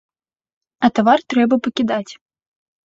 А тавар трэба пакідаць!